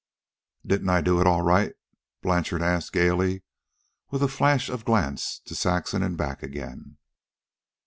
"Didn't I do it all right?" Blanchard asked gaily, with a flash of glance to Saxon and back again.